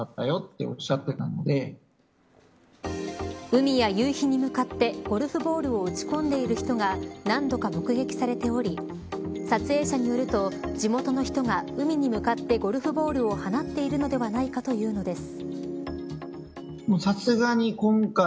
海や夕日に向かってゴルフボールを打ち込んでいる人が何度か目撃されており撮影者によると地元の人が海に向かってゴルフボールを放っているのではないかというのです。